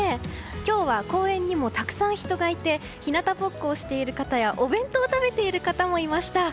今日は公園にもたくさん人がいて日向ぼっこをしている方やお弁当を食べている方もいました。